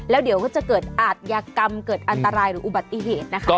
แล้วเดี๋ยวก็จะเกิดอาทยากรรมเกิดอันตรายหรืออุบัติเหตุนะคะ